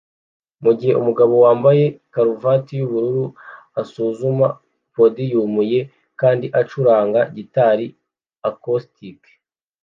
mugihe umugabo wambaye karuvati yubururu asuzuma podium ye kandi acuranga gitari acoustic